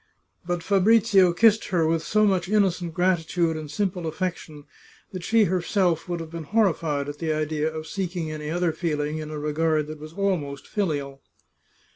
But Fabrizio kissed her with so much innocent gratitude and simple aflfection that she her self would have been horrified at the idea of seeking any other feeling in a regard that was almost filial.